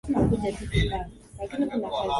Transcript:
Treni itaondoka saa tano asubuhi.